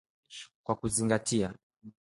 kwa kuzingatia